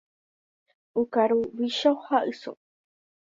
Okaru vícho ha yso.